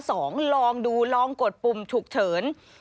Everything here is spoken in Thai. ลองดูลองกดปุ่มฉุกเฉิน